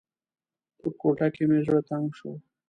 په کوټه کې مې زړه تنګ شو.